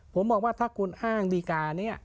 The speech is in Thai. ผมบอกว่าถ้าคุณอ้างดีการ์นี้